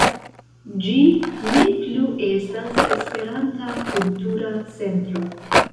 Ĝi ne plu estas "Esperanta Kultura Centro".